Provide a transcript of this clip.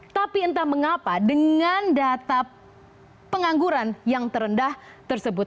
tapi entah mengapa dengan data pengangguran yang terendah tersebut